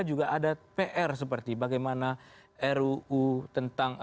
juga ada pr seperti bagaimana ruu tentang